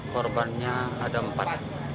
korbannya ada empat